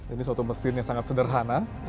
ini suatu mesin yang sangat sederhana